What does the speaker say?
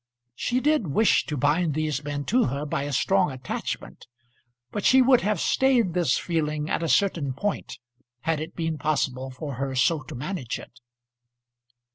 She did wish to bind these men to her by a strong attachment; but she would have stayed this feeling at a certain point had it been possible for her so to manage it.